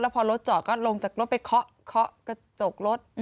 พอรถจอดก็ลงจากรถไปเคาะกระจกรถ